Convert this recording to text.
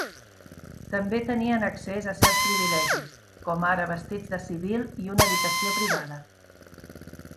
També tenien accés a certs privilegis, com ara vestits de civil i una habitació privada.